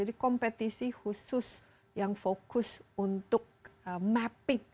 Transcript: jadi kompetisi khusus yang fokus untuk mapping terhadap gambut